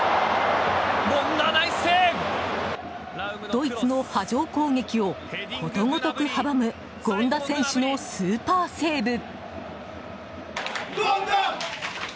ドイツの波状攻撃をことごとく阻む権田選手のスーパーセーブ。